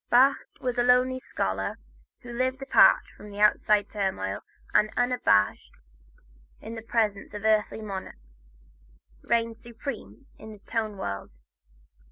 Bach was the lonely scholar who lived apart from outside turmoil and unabashed in the presence of earthly monarchs, reigned supreme in the tone world.